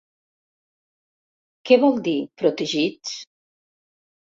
Què vol dir, protegits?